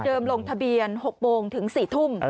ลงทะเบียน๖โมงถึง๔ทุ่ม